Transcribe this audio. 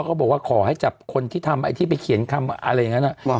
เขาบอกว่าขอให้จับคนที่ทำไอ้ที่ไปเขียนคำอะไรอย่างนั้น